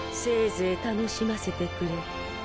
せいぜい楽しませてくれ。